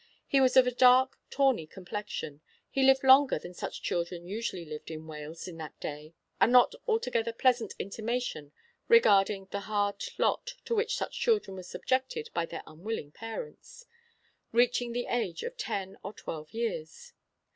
He was of a 'dark, tawny complexion.' He lived longer than such children usually lived in Wales in that day, (a not altogether pleasant intimation regarding the hard lot to which such children were subjected by their unwilling parents,) reaching the age of ten or twelve years.